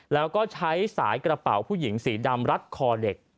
แล้วก็ใช้สายกระเป๋าผู้หญิงสีดำรัดคอเด็ก